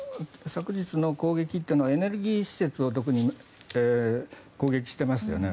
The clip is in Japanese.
昨日の攻撃はエネルギー施設を特に攻撃していますよね。